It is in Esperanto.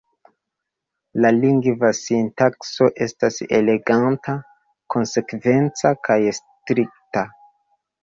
La lingva sintakso estas eleganta, konsekvenca kaj strikta.